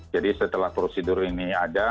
jadi setelah prosedur ini ada